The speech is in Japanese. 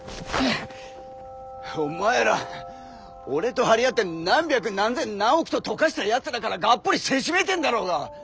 お前ら俺と張り合って何百何千何億と溶かしたやつらからがっぽりせしめてんだろうが！